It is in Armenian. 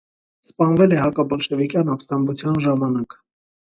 Սպանվել է հակաբոլշևիկյան ապստամության ժամանակ։